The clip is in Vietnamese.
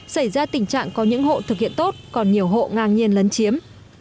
xảy ra tình trạng có những hộ thực hiện tốt còn nhiều hộ ngang nhiên lấn chiếm